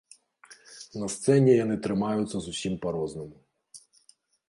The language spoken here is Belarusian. На сцэне яны трымаюцца зусім па-рознаму.